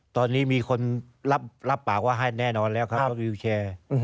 ตอนนี้มีคนรับปากว่าให้แน่นอนแล้วครับรถวิวแชร์